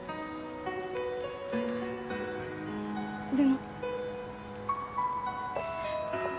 でも。